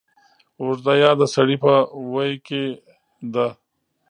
اوږده يا د سړې په ویي کې ده